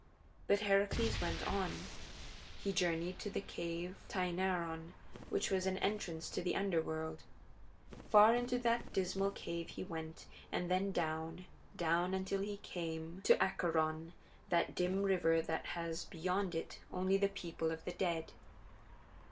But Heracles went on. He journeyed to the cave Tainaron, which was an entrance to the Underworld. Far into that dismal cave he went, and then down, down, until he came to Acheron, that dim river that has beyond it only the people of the dead.